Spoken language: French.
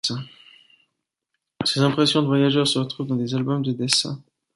Ses impressions de voyageur se retrouvent dans des albums de dessins.